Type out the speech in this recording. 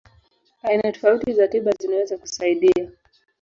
Aina tofauti za tiba zinaweza kusaidia.